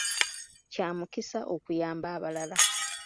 Kya mukisa okuyamba abalala.